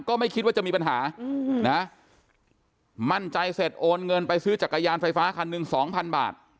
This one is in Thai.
ก็ไม่คิดว่าจะมีปัญหานะมั่นใจเสร็จโอนเงินไปซื้อจักรยานไฟฟ้าคันหนึ่งสองพันบาท